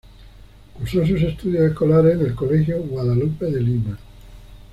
Cursó sus estudios escolares en el Colegio Guadalupe de Lima.